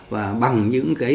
và bằng những cái